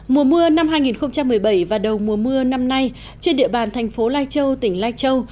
mùa mưa năm hai nghìn một mươi bảy và đầu mùa mưa năm nay trên địa bàn thành phố lai châu tỉnh lai châu